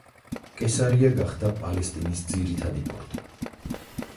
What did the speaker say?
კესარია გახდა პალესტინის ძირითადი პორტი.